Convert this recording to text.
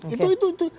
itu itu itu